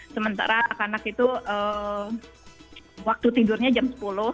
sementara anak anak itu waktu tidurnya jam sepuluh